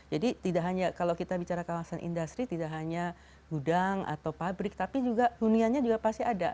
jadi kalau kita bicara kawasan industri tidak hanya udang atau pabrik tapi huniannya juga pasti ada